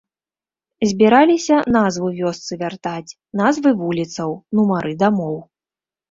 Збіраліся назву вёсцы вяртаць, назвы вуліцаў, нумары дамоў.